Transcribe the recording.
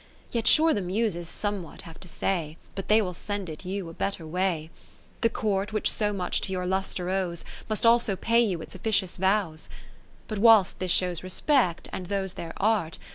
Yet sure the Muses somewhat have to say, But they will send it you a better way : The Court, which so much to your lustre owes. Must also pay you its officious vows. 20 But whilst this shows respect, and those their art.